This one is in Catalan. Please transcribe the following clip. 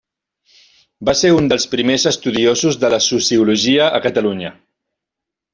Va ser un dels primers estudiosos de la sociologia a Catalunya.